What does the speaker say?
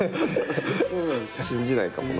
信じないかもな。